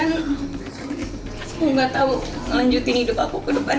ini gimana aku di sini sebagai korban